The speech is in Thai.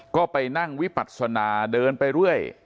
ก็ไปนั่งวิปัศนาเดินไปเรื่อย